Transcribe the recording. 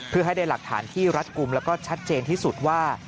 เพื่อให้ได้หลักฐานที่รัดกลุ่มแล้วก็ชัดเจนที่สุดว่า